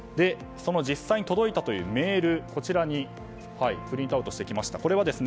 その実際に届いたというメールをこちらにプリントアウトしました。